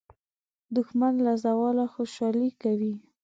دښمن له زواله خوشالي کوي